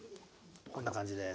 こんな感じです。